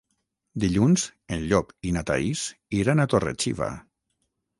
Dilluns en Llop i na Thaís iran a Torre-xiva.